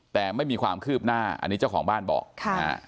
แต่ไม่มีความคืบหน้าอันนี้เจ้าของบ้านบอกค่ะ